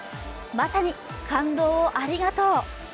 まさに感動をありがとう。